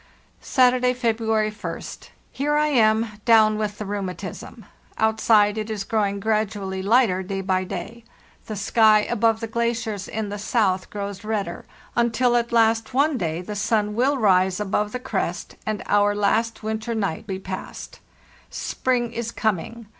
"Saturday, February tst. Here I am down with the rheumatism. Outside it is growing gradually lighter day by day; the sky above the glaciers in the south grows redder, until at last one day the sun will rise above the crest, and our last winter night be past. 'TIFE IN OUR HUT" Spring is coming!